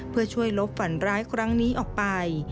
เพื่อช่วยลบฝันร้ายครั้งนี้ออกไป